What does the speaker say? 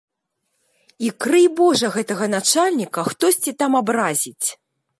І крый божа гэтага начальніка хтосьці там абразіць.